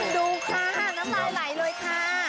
ดุค่ะน้ำลายไหลเลยค่ะ